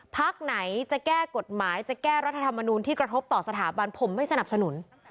พักไหนจะแก้กฎหมายจะแก้รัฐธรรมนูลที่กระทบต่อสถาบันผมไม่สนับสนุน